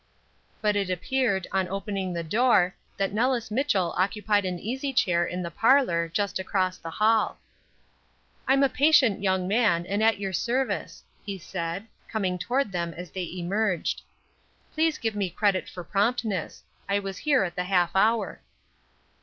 But it appeared, on opening the door, that Nellis Mitchell occupied an easy chair in the parlor, just across the hall. "I'm a patient young man, and at your service," he said, coming toward them as they emerged. "Please give me credit for promptness. I was here at the half hour."